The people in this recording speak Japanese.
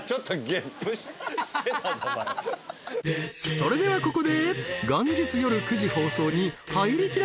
［それではここで］